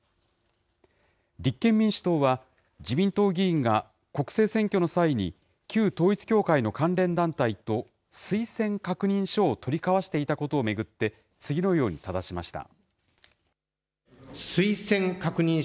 立憲民主党は、自民党議員が国政選挙の際に、旧統一教会の関連団体と推薦確認書を取り交わしていたことを巡って、次のようにただしました。